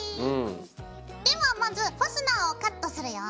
ではまずファスナーをカットするよ！